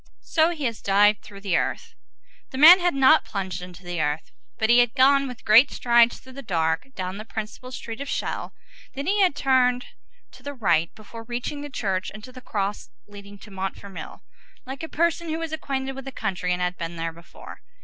So he has dived through the earth." The man had not plunged into the earth, but he had gone with great strides through the dark, down the principal street of Chelles, then he had turned to the right before reaching the church, into the crossroad leading to Montfermeil, like a person who was acquainted with the country and had been there before.